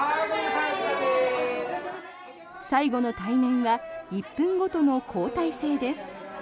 最後の対面は１分ごとの交代制です。